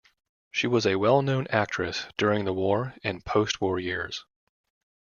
She was a well-known actress during the war and post-war years.